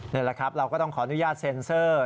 นี่แหละครับเราก็ต้องขออนุญาตเซ็นเซอร์